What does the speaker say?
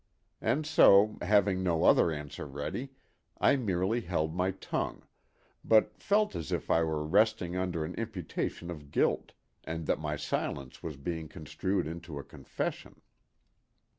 And so, having no other answer ready, I merely held my tongue, but felt as if I were resting under an imputation of guilt, and that my silence was being construed into a confession.